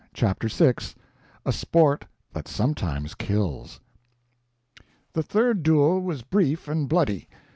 CHAPTER VI [A Sport that Sometimes Kills] The third duel was brief and bloody.